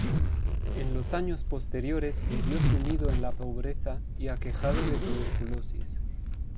En los años posteriores vivió sumido en la pobreza y aquejado de tuberculosis.